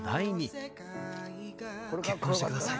結婚して下さい。